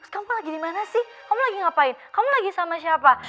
kamu lagi dimana sih kamu lagi ngapain kamu lagi sama siapa